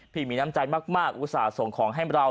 พี่มีน้ำใจมากอุตส่าห์ส่งของให้เรา